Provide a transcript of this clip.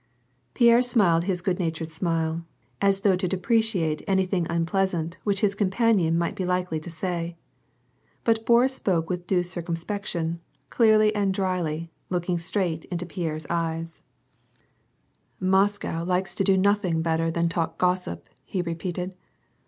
Pierre smiled his good natured ^mile, as though to depre cate anything unpleasant which his companion might be likely to say. But I^oris s]>oke with due circumspection, clearly and dryly, looking straight into Pierre's eyes. WAR AND PEACE. 63 " Moscow likes to do nothing better than talk gossip/' he repeated.